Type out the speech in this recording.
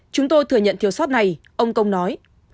chúng tôi thừa nhận thiếu sót này ông công nói